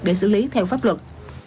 để xử lý theo pháp luật